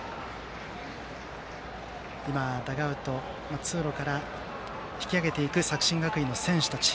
ダグアウト、通路から引き揚げていく作新学院の選手たち。